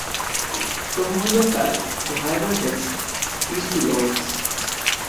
From Honea Path, the highway heads east to Laurens.